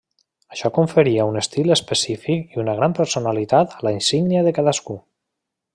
Això conferia un estil específic i una gran personalitat a la insígnia de cadascú.